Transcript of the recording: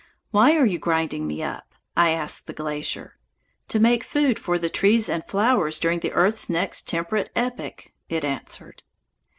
'Why are you grinding me up?' I asked the glacier. 'To make food for the trees and the flowers during the earth's next temperate epoch,' it answered.